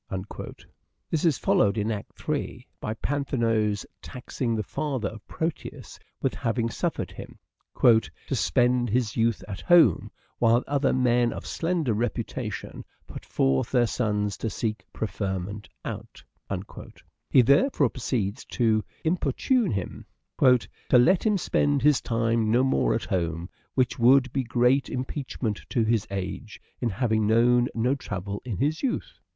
This is followed in Act III by Panthino's taxing the father of Proteus with having suffered him, '' to spend his youth at home, While other men of slender reputation Put forth their sons to seek preferment out." He therefore proceeds to " importune " him, " To let him spend his time no more at home, Which would be great impeachment to his age, In having known no travel in his youth."